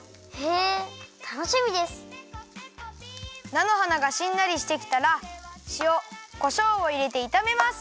なのはながしんなりしてきたらしおこしょうをいれていためます。